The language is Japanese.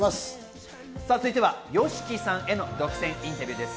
続いてはＹＯＳＨＩＫＩさんへの独占インタビューです。